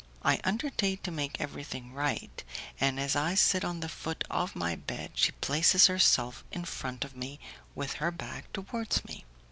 I undertake to make everything right, and, as I sit on the foot of my bed, she places herself in front of me, with her back towards me.